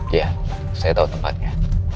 iya saya tau tempatnya